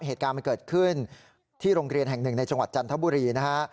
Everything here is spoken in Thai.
เหตุการณ์มันเกิดขึ้นที่โรงเรียนแห่งหนึ่งในจังหวัดจันทบุรีนะฮะ